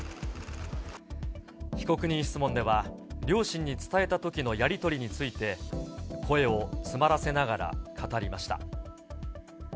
被告人質問では、両親に伝えたときのやり取りについて、声を詰まらせながら語りました。